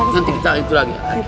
nanti kita itu lagi